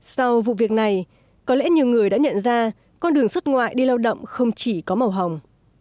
sau vụ việc này có lẽ nhiều người đã nhận ra con đường xuất ngoại đi lao động không chỉ có màu hồng